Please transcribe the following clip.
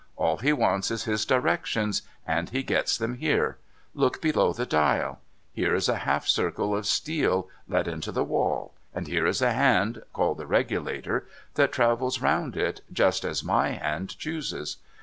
All he wants is his directions, and he gets them here. Look below the dial. Here is a half circle of steel let into the wall, and here is a hand (called the regulator) that travels round it, just as my hand chooses.